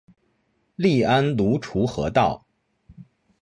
隶安庐滁和道。